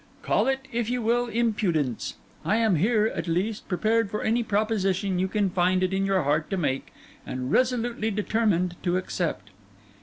Call it, if you will, impudence; I am here, at least, prepared for any proposition you can find it in your heart to make, and resolutely determined to accept.